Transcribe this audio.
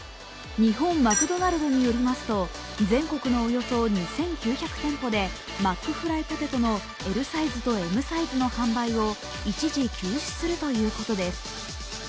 日本マクドナルドによりますと、全国およそ２９００店舗でマックフライポテトのＬサイズとＭサイズの販売を一時休止するということです。